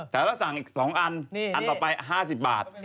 แต่ถ้าสั่งอีก๒อันอันต่อไป๕๐บาท